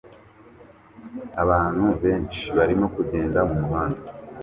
Abantu benshi barimo kugenda mumuhanda